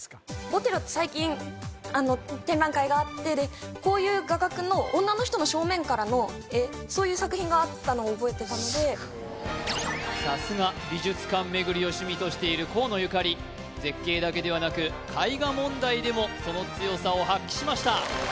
ボテロって最近展覧会があってこういう画角の女の人の正面からの絵そういう作品があったのを覚えてたのでさすが美術館巡りを趣味としている河野ゆかり絶景だけではなく絵画問題でもその強さを発揮しました